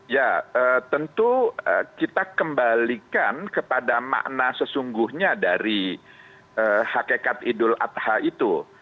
ya tentu kita kembalikan kepada makna sesungguhnya dari hakikat idul adha itu